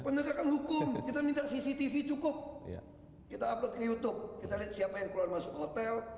penegakan hukum kita minta cctv cukup kita upload ke youtube kita lihat siapa yang keluar masuk hotel